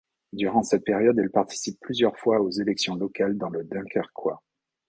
Durant cette période elle participe plusieurs fois aux élections locales dans le dunkerquois.